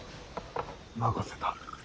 任せた。